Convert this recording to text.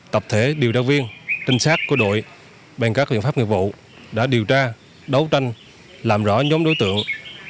tập thể điều tra viên trinh sát của đội bên các biện pháp nghiệp vụ đã điều tra đấu tranh làm rõ nhóm đối tượng